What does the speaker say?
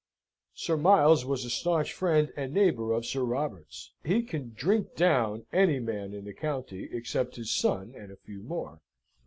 Sir Miles was a staunch friend and neighbour of Sir Robert's. He can drink down any man in the county, except his son and a few more.